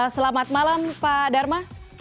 selamat malam pak dharma